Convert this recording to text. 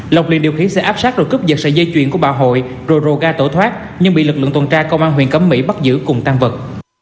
lộc liền điều khí xe áp sát rồi cướp dật sạy dây chuyền của bà hội rồi rô ga tổ thoát nhưng bị lực lượng tồn tra công an huyện cấm mỹ bắt giữ cùng tăng vật